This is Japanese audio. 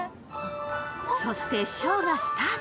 そして、ショーがスタート。